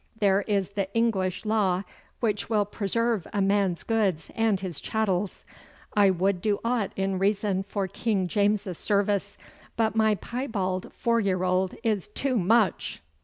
There is the English law, which will preserve a man's goods and his chattels. I would do aught in reason for King James's service, but my piebald four year old is too much.